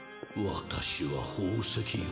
私は宝石王。